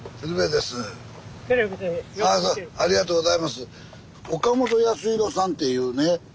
ありがとうございます。